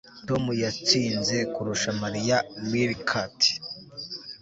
Tom yatsinze kurusha Mariya meerkat